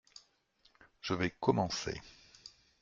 Je vais commencer.